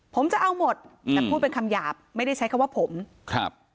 ผมจะเอาหมดอืมแต่พูดเป็นคำหยาบไม่ได้ใช้คำว่าผมครับ